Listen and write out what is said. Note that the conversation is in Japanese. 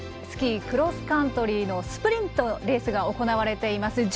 スキー・クロスカントリーのスプリントレースが行われています。